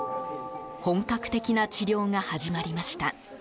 本格的な治療が始まりました。